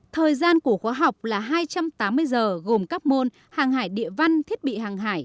thời gian của khóa học là hai trăm tám mươi giờ gồm các môn hàng hải địa văn thiết bị hàng hải